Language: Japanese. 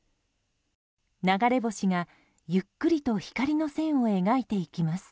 流れ星がゆっくりと光の線を描いていきます。